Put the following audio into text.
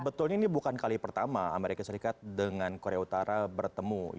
sebetulnya ini bukan kali pertama amerika serikat dengan korea utara bertemu